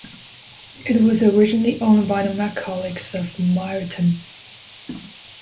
It was originally owned by the MacCullochs of Myreton.